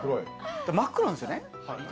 真っ黒なんですよね。